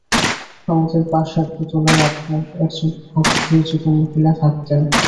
আমাদের বাসার দোতলায় আপনার একজন পরিচিত মহিলা থাকতেন।